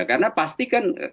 karena pasti kan karena